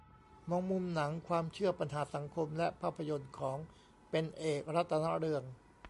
มองมุมหนัง ความเชื่อ ปัญหาสังคม และภาพยนตร์ของ "เป็นเอก รัตนเรือง"